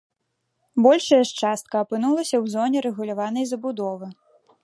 Большая ж частка апынулася ў зоне рэгуляванай забудовы.